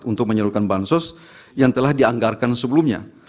untuk menyeluruhkan bantuan sos yang telah dianggarkan sebelumnya